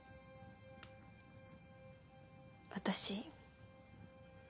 私。